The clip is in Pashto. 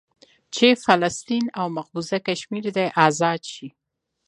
چې فلسطين او مقبوضه کشمير دې ازاد سي.